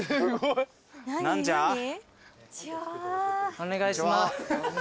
お願いします。